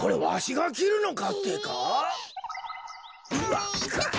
わっ。